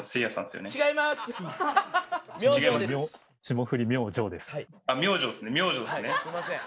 「すいません。